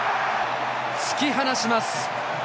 突き放します。